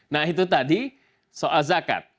nah itu tadi soal zakat